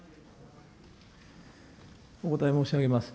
お答え申し上げます。